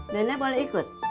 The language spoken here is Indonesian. nenek boleh ikut